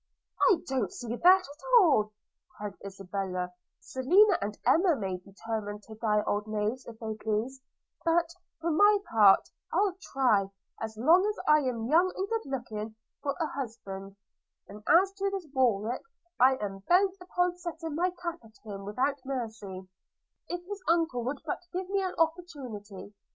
'I don't see that at all,' cried Isabella, 'Selina and Emma may determine to die old maids if they please; but, for my part, I'll try, as long as I am young and good looking, for a husband; and as to this Warwick, I am bent upon setting my cap at him without mercy, if his uncle would but give me an opportunity.